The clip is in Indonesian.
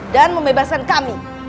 dan membebaskan kami